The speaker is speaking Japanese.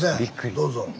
どうぞ。